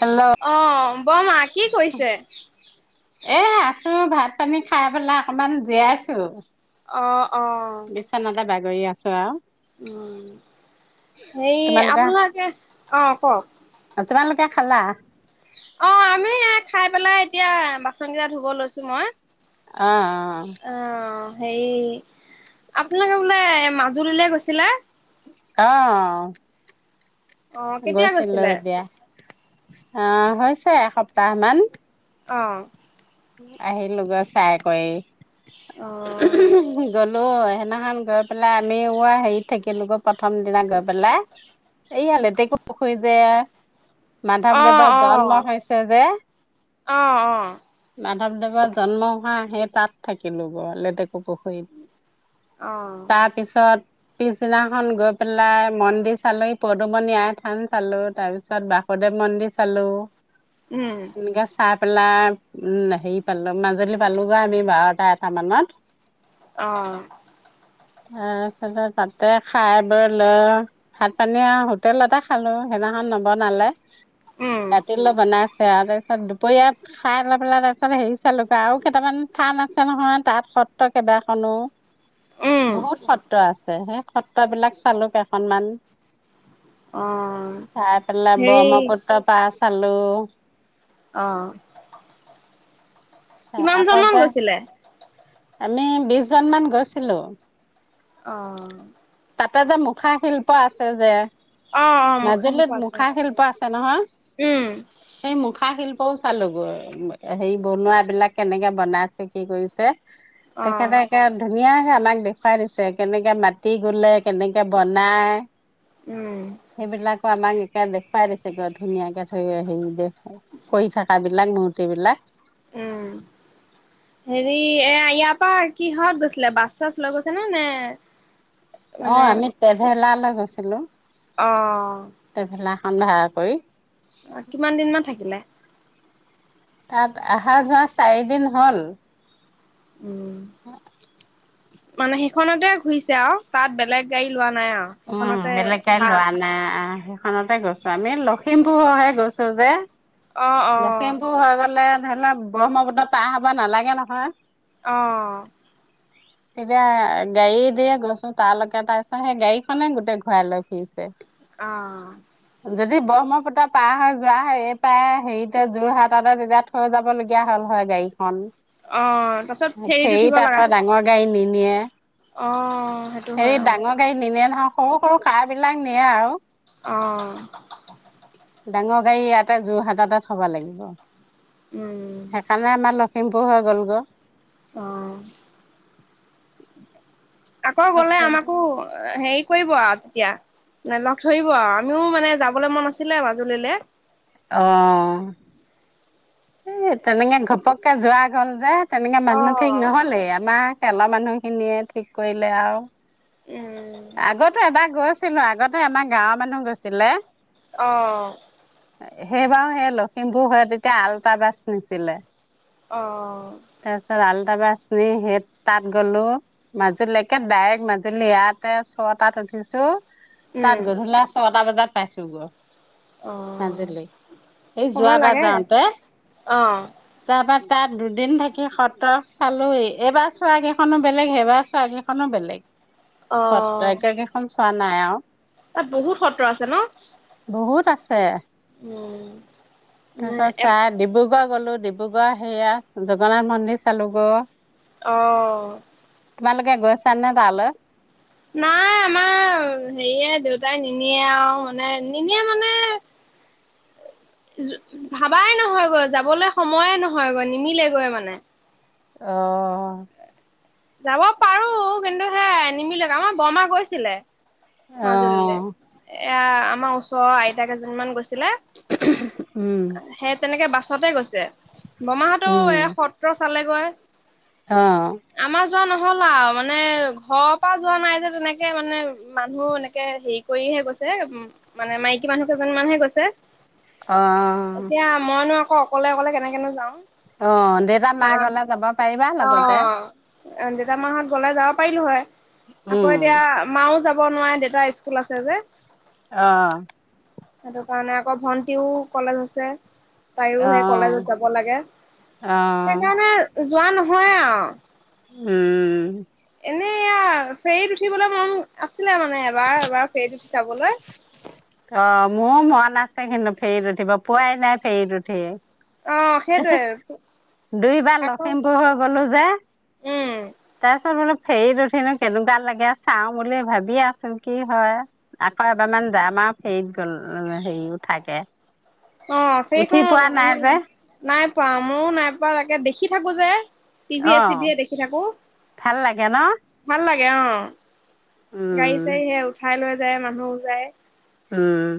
Hello আহ বৰমা, কি কৈছে এ আছো ভাত পানী খাই পেলাই অকমান জীয়াইছো। অ অ' বেছ নদ বোগ লৈ আছ আৰু উম হে আপোনালোকে অ কওক আ তোমালোকে খালা? অ আমি খাই পেলাই এতিয়া বাচন কেইটা ধুব লৈছো মই। আহ অ হেৰি আপোনালোকে বোলে মাজুলীলৈ গৈছিলে অ অ' কেতিয়া গৈছিলো গৈছিলে? দিয়া আহ হৈছে এসপ্তাহ মান অঁ আহিল লগৰ চাই অ' কৰি গল ল সেইদিনাখন গৈ পেলাই আমি হেৰিত থাকিলোগৈ প্ৰথম দিনা গৈ পেলাই এইয়া লেতেকু পুখুৰী যে অ' মাধৱদেৱৰ জন্ম হৈছে যে আহ অ মাধৱদেৱৰ জন্ম হোৱা সেই তাত থাকিলো গৈ অ' পুখুৰীত তাৰপিছত পিছদিনাখনন গৈ পেলাই মন্দিৰ চালো পদুমণি আই থান চালো তাৰ পিছত বাসুদেৱ মন্দিৰ চালো উম াই পেলা উম হেৰি পালো মাজুলী পালোগৈ আমি বাৰটা এটা মানত অ তাৰপিছতে তাতে খাই বৈ লৈ ভাত পানী আৰু হোটেলতে খালো সেইদিনাখন নবনালে উম ৰাতি লৈ বনাই সেয়া তাৰপিছতে পৰিয় খাই লৈ পেলাই তাৰপিছত হেৰি চালোঁ আৰু কেইটামান থান আছে নহয় তাত সত্ৰ কেইবাখনো উম বহুত সত্ৰ আছে সেই সত্ৰ বিলাক চালো কেইখনমান অ' চ পেলাই হেৰি ব্ৰহ্মপুত্ৰ পচ চালু অহ। কিমান আকৌ জনমান যে হৈছিলে? আমি বিশ জন মান গৈছিলোঁ। অহ। তাতে যে মুখা শিল্প আছে যে। অ অ মুখা শিল্প মাজুলীত আছে মুখা শিল্প আছে নহয়, উম সেই মুখ- খা শিল্পও চালোঁগৈ। ম হেৰি বনোৱাবিলাক কেনেকে বনাইছে কি কৰিছে। অ তেখেতে একে ধুনীয়াকে- আমাক দেখুৱাই দিছে কেনেকে মাটি গলে, কেনেকে বনাই। উম সেইবিলাকো [unintelligible] [unintelligible] দেখুৱাই দিছে ক ধুনীয়াকে ধৰি হেৰি [unintelligible] হয়, কৰি থকা বিলাক নু- তি বিলাক উম। হেৰি এয়া, ইয়াৰ পৰা কিহত গৈছিলে? বাছ-চাছ লৈ গৈছেনে নে- অহ, আমি ট্ৰেভেলাৰৰ লৈ- গৈছিলোঁ অহ। [unintelligible] কৰি অ কিমান দিনমানান থাকিলে? তাত আহা যোৱা চাৰিদিন হ'ল। উম [unintelligible] মানে সেইখনতে ঘূৰিছে আৰু, তাত বেলেগ গাড়ী লোৱা- নাই আৰু উম সেইখনতে বেলেক গাৰি ভাল লোৱা নাই, অহ। খানতে গৈছোঁ, আমি লখিমপুৰ হৈহে গৈছোঁ যে। অ অ লখিমপুৰ হৈ গ'লে- ধৰি লোক, ব্ৰহ্মপুত্ৰ পাৰ হ'ব নালাগে নহয়। অ'। তেতিয়া গাড়ী দিয়ে গৈছোঁ তালৈকে, তাৰ‌ পিছত সেই গাড়ী- খনে গোটেই ঘূৰাই লৈ ফুৰিছে। অ'। যদি ব্ৰহ্মপুত্ৰ পাৰ হৈ যোৱা হয়, এই পাৰে হেৰিতে যোৰহাটতে তেতিয়া থৈ যাবলগীয়া হ'ল হয় গাড়ী। খন, অ তাৰপিছত ম ফেৰীত হেৰি উঠিব লগা তাৰপৰা ডাঙৰ গাড়ী নি য়ে অ', সেইটো হয়, অ'। গাড়ী নিনিয়ে সৰু সৰু কাহঁ বিলাক নিয়ে আৰু অ ডাঙৰ গাড়ী ইটা যোৰহাট এটা থ'ব লাগিব। উম সেইকাৰণে আমাৰ লগ শিম্পহ গলগ অ'। আকৌ গ'লে আমাকো হেৰি কৰিব আৰু এতিয়াে লগ ধৰিব আৰু আমিও মানে যাবলৈ মন আছিলে মাজুলীলৈ। অ'। এ, তেনেকে ঘপককে যোৱা গ'ল যে। তেনেকা মানুহ ঠিক অ', নহলে আমাৰ তেলৰ মানুহ খিনিয়ে ঠিক কৰিলে আৰু। উম, আগতে এবাৰ গৈছ ছিলো আগতে আমাৰ গাঁৱৰ মানুহ গৈছিলে। অ'। সেই বাৰু সেই লখিমপুৰ ঘৰত এতিয়া আল বাচনিছিলে অ'। তাৰপাছ সেই তাত গ'লো মাজুলীকে ডাইৰেক্ট মাজুলী ইয়াতে ছটাত উঠিছো। তাত উম, গধূলা ছটা বজাত পছো গৈ অ', মাজুলী এই সময় যোৱাবাৰ লাগে যাওঁতে অ'। তাৰপা তাত দুদিন থাকি সতক চালো এইবাৰ চোৱা কেইখনো বেলেগ সেইবাৰ চোৱা কেইখনো বেলেগ। অ', সাতগখন চোৱা নাই আওঁ। তাত বহুত সত্ৰ আছে ন'। বহুত আছে। উম। তাৰপিছত চ ডিব্ৰুগড় গ'লো ডিব্ৰুগড় সেয়া জগন্নাথ মন্দিৰ চালো [inaudible] আহ তমাল ক ঘ চাননত আল নাই আমাৰ হেৰিয়ে দেউতাই নিনিয়ে আৰু মানে নিনিয়ে মানে ভাবাই নহয় গৈ যাবলৈ সময়ে নহয়গৈ নিমিলেগৈ মানে আহঁ যাব পাৰো কিন্তু সে নিমিলে আমাৰ বৰমা গৈছিলে অ মাজুললৈ এ আমাৰ ওচৰ আইতােইজন মমান গৈছে উম সেই তেনেকে চবতে গৈছে বমাহতটো উম এ সত্ৰ চালেগৈ অ আমাৰ যোৱা নহল আৰু মানে ঘৰৰ পৰা যোৱা নাই যে তেনেকে মানে মানুহ এনেকে হেৰি কৰিহে গৈছে উ মানে মাইকী মানুহ কেইজন মানহে গৈছে অ অ অকলে অকলে কেনেকেনো যাওঁ! অ দেউতা মা মাক হলে যাব পাৰিবা লগতে জতা মাহত গ'লে যাব পাৰিলো হয় উম আকৌ এতিয়া মাও যাব নোৱাৰে দেউতা স্কুল তলাছে যে আহ সেইটো কাৰণে আকৌ ভন্টিও কলেজ আছে তাইও অ সেই কলেজত যাব লাগে অ সেইকাৰণে যোৱা নহয় আৰু উ এনে এয়া ফেৰীত উঠিবলৈ মন আছিলে মানে এবাৰ এবাৰ ফেৰীত উঠি যাবলৈ অ মোৰ মন আছে কিন্তু ফেৰীত উঠিব পোৱাই নাই ফেৰীত উঠি অ সেইটোৱে দুইবাৰ আকৌ লখিমপুৰ হৈ গলো যে উম তাৰপিছত বোলো ফেৰীত উঠিনো কেনেকুৱা লাগে চাও বুলি ভাবিয়াচোন কি হয় আকৌ এবাৰমান যাম আৰু ফেৰীত গল হেৰি উঠাকে অ উঠি সেইখন পোৱা নাই মানে যে, নাই প মো নাই পোৱা তাকে দেখি থাকো যে টিভিয়ে অ', চিভিয়ে দেখি থাকো ভাল লাগে ক ন কা গাড়ী উম, চাাৰী সে উঠাই লৈ যায় মানুহো যায় উম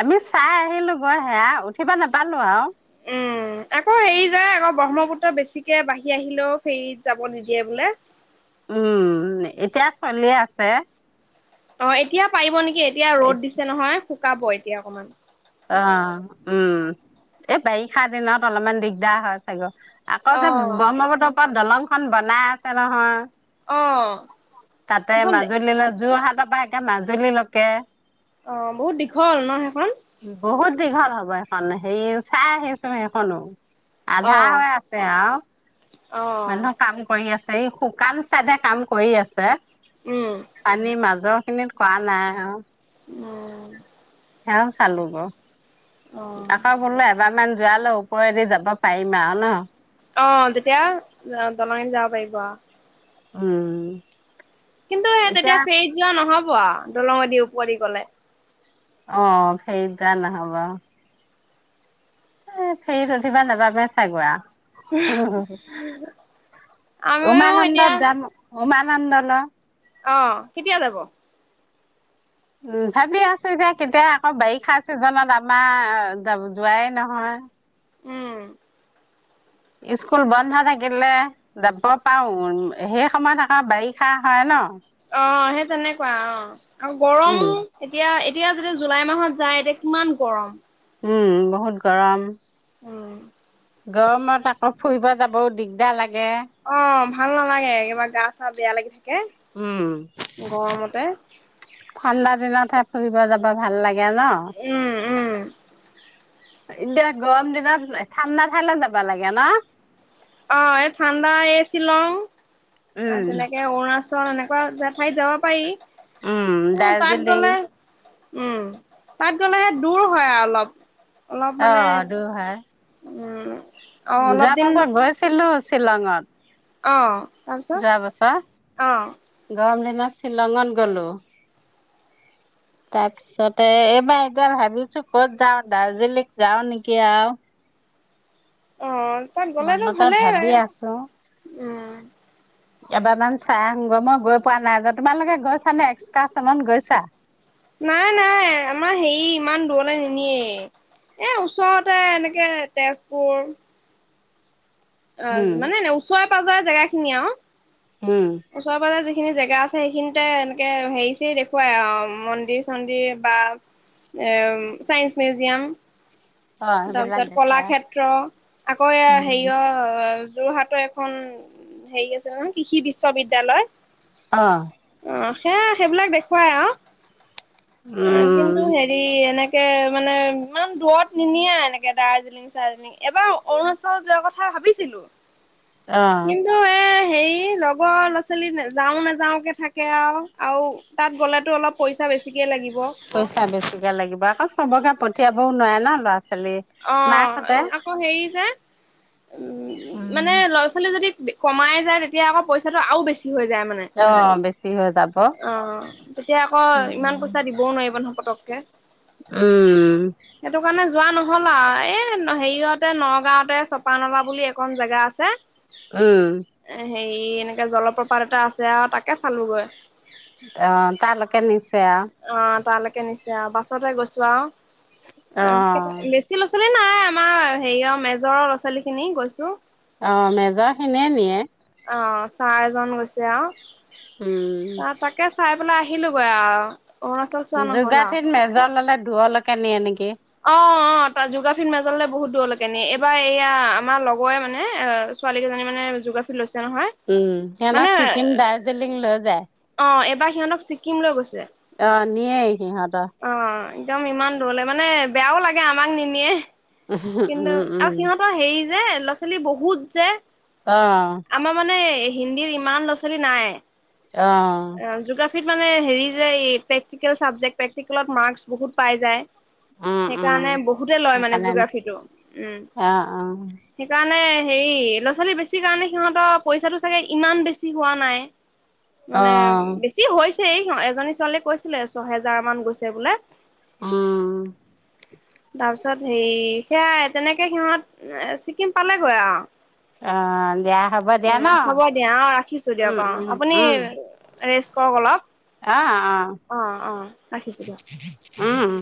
আমি চাই আহিলো গৈ সেয়া উঠিবা নাপালো আৰু উম আকৌ হেৰি যায় আকৌ ব্ৰহ্মপুত্ৰ বেছিকে বাঢ়ি আহিলেও ফেৰীত যাব নিদিয়ে বোলে উম এতিয়া চলি আছে অ এতিয়া পাৰিব নেকি কি এতিয়া ৰ'দ দিছে নহয় শুকাব এতিয়া অকমান অ উম এই বাৰিষা দিনত অলপমান দিগদাৰ হয় চাগে আকৌ অ যে ব্ৰহ্মপট দলং খন বনাই আছে নহয় অ তাতে সেইখন মাজুলী লে যোৰহাত তাৰপা একে মাজুলী লৈকে অ বহুত দীঘল ন সেইখন বহুত দীঘল হ'ব সেইখন সেই চাই আহিছো সেইখনো অ আধা হৈ আছে আৰু অ মানুহৰ কাম কৰি আছে এই শুকান চাইডে কাম কৰি আছে উম পানী মাজত িন কোৱা নাই অ উম সেও চালো গ অ আকৌ ভুল এবাৰ মমান যোৱালৈ ওপৰেদি যাব পাৰিমা আৰু ন অ তেতিয়া দলঙ যাব পাৰিব উম কিন্তু সয়া তেতিয়া এতিয়া ফেই যোৱা নহব দলঙ দি ওি গলে অ সেই যা নহবা ফেই ৰধিবা নবা প চাগুৱোৱা উম উ আমিও উমনন্দ এতিয়া যাম ম উমানন্দ ন আহ কেতিয়া যাব উম ভাবি আছো এতিয়া কেতিয়া আকৌ বাৰিষা চিজনত আমাৰ যোৱাই নহয় উম স্কুল বন্ধ থাকিলে যাব পাৰো সেই সময়ত আকৌ বাৰিষা হয় ন অ সেই তেনেকুৱা অ আৰু উম গৰমো এতিয়া এতিয়া যতিয়া জুলাই মাহত যায় এতিয়া কিমান গৰম উম বহুত গৰম উম গৰমত আকৌ ফুৰিব যাব দিগদাৰ লাগে যে অ ভাল নালাগে কিবা গা চা বেয়া লাগি থাকে উম তে গৰমতে ঠাণ্ডা দিনতহে ফুৰিব যাব ভাল লাগে গে ন উম উম এতিয়া গৰম দিনত ঠাণ্ডা ঠাইলৈ যাবা লাগে ন অ এই ঠাণ্ডা এই শ্বিলং উম, তেনেকে অৰুণাচল চ ন জেঠাইত যাব পাৰি উম, হ তাত দাৰ্জিলিং গলে উম তাত গলেহে দূৰ হয় আৰু অলপ অলপ মানে আহ দুৰ হয় উম আৰু অলপ দিন শ্বিলংত অ তাৰপিছত যাবছ অ গমলে শ্বিলঙত গলো তাৰপিছতে এইবাৰ এতিয়া ভাবিছো কত যাওঁ দাৰ্জিলিং যাওঁ নেকি আৰু অ তাত গ'লেতো মনত ভালেই ভাবি লাগে। আছো উম কেইবাৰমান চাই আহোগৈ মই গৈ পোৱা নাই তোমালোকে গৈছা নে এক্সকাৰচনত গৈছা নাই নাই আমাৰ হেৰি ইমান দূৰতে নিনিয়ে এ ওচৰতে এনেকে তেজপুৰ অ উম, মানে নে ওচৰৰে পাজৰে জেগা খিনি আৰু উম, ওচৰ পাজৰে সেইখিনি জেগা আছে সেইখিনিতে এনেকে হেৰি চেৰি দেখুৱাই অ মন্দিৰ চন্দিৰ বা চাইন্স মিউজিয়াম অ', সেইবিলাক তাৰপিছত দেখুৱাই কলাক্ষেত্ৰ আকৌ এ উম, হেৰি অ যোৰহাটৰ এখন হেৰি আছে নহয় কৃষি বিশ্ব বিদ্যালয় অ অ সে সেইবিলাক দেখুৱাই আৰু অ উম, কিন্তু হেৰি এনে মানে ইমান দূৰত নিনিয়ে এনেকে দাৰ্জিলিং চাৰ্জিলিং এবাৰ অৰুণাচল যোৱাৰ কথা ভাবিছিলো অ', কিন্তু এই সেই লগ ৰ ল'ৰা ছোৱালী নেযাও নেযাও কে থাকে আৰু আৰু তাত গলেতো অলপ পইচা বেছিক পইচা বেছিকে লাগিব আ কচোন চবকে পঠিয়াবও নোৱাৰে ন ল'ৰা ছোৱালী অ মাকহঁতে আকৌ হেৰি যে উম মানে ল'ৰা ছোৱালী যদি কমাই যায় তেতিয়া আকৌ পইচাটো আৰু বেছি হৈ যায় মানে অ' বেছি হৈ যাব। অ তেতিয়া আকৌ ইমান পইচা দিবও নোৱাৰিবন্হাপতক ক উম কাৰণে যোৱা ন নহলা এই হেৰিয়তে নগাঁওতে চপা নলা বুলি একন জেগা আছে উম এ হেৰি এনেকে জলপ্ৰপাত এটা আছে আৰু তাকে চালোগৈ অ তালৈকে নিশ অ তালক কে নিছে আৰু বাছতে গৈছোঁ আৰু অ বেছি ল'ৰা ছোৱালী নাই আমাৰ হেৰি আৰু মেজৰৰ'ৰা ছোৱালী খিনি গৈছো অ মেজৰ খিনিয়ে নিয়ে অ ছাৰ এজন গৈছে আৰু উম, অ তাকে চাই পেল আহিলোোগৈ আৰু অৰুণাচল চোৱা নহ'ল আৰু। যোগাঠিত মেজৰ ললে দুৱলৈকে নিয়ে নেকি অ অ তাত যোগ্ৰাফিল মাজললে বহুত দূৰলৈকে নি এইবাৰ এয়া আমাৰ লগৰে মানে ছোৱালী কেইজনী মানে যোগাফি লৈছে নহয় উম সে ন মানে ছিকিম দাৰ্জিলিং লৈ যায় এা সহতক ছিকিমৈছে আহ নে সিহত একদম ইমান দূৰলে মানে বেয়াও লাগে আমাক নিনিয়ে কিন্তু উম, আৰু উম, সিহঁতৰ হেৰি যে ল'ৰা ছোৱালী বহুত যে অ', আমাৰ মানে এই হিন্দীৰ ইমান ল'ৰা ছোৱালী নাই আহ জিঅ'গ্ৰাফীত মানে হেৰি যে এই প্ৰেক্টিকেল চাবজেক্ট প্ৰেক্টিকেলত মাৰ্কচ বহুত পাই যায় উম, উম, সেইকাৰণে বহুতে লয় মানে সেইকাৰণে জগ্ৰাফি উম অ', অ', সেইকাৰণে হেৰি ল'ৰা ছোৱালী বেছি কাৰণে সিহঁত পইচাটো চাগে ইমান বেছি হোৱা নাই মানে অ', বেছি হৈ হৈছে নহ এজনী ছোৱালীয়ে কৈছিলে ছহেজাৰ মান গৈছে বোলে অ তাৰ পিছত হেৰি সেয়াাই তেনেকে সিহঁত ছিকিম পালেগৈ আৰু অ' যা উ হ'ব দিয়া অ ৰাখিছো উম দিয়ক অ উম আপুনি উম ৰেষ্ট কৰক অলপ অ অ ৰাখিছো দিয়ক উ